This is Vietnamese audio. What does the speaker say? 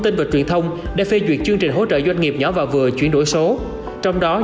tin và truyền thông để phê duyệt chương trình hỗ trợ doanh nghiệp nhỏ và vừa chuyển đổi số trong đó